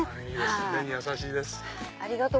目に優しいです。